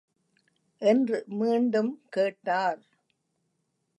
என்று மீண்டும் கேட்டார்.